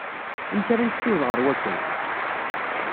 Amek ara nessiweḍ ɣer wakken?